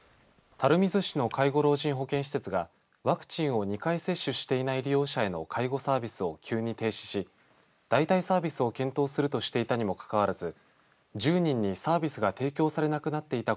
鹿児島県内の介護老人保健施設ではワクチンを２回接種していない利用者へのサービスを急に停止し、かわりのサービスを検討するとしていたにもかかわらず１０人にサービスが提供されなくなっていたことが分かりました。